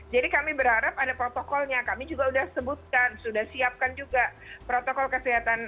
jadi kami berharap ada protokolnya kami juga sudah sebutkan sudah siapkan juga protokol kesehatan